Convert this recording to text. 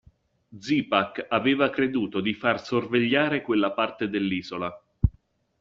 Zipak aveva creduto di far sorvegliare quella parte dell'isola.